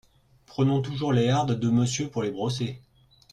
Prenons toujours les hardes de Monsieur pour les brosser !…